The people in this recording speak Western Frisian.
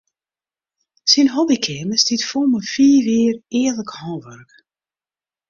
Syn hobbykeamer stiet fol mei fiif jier earlik hânwurk.